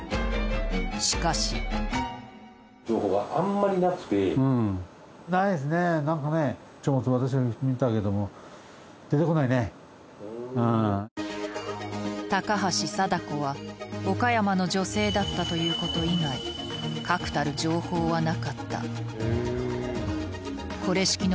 しかし高橋貞子は岡山の女性だったということ以外確たる情報はなかったへぇ。